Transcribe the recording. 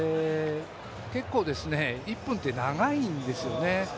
結構、１分って長いんですよね。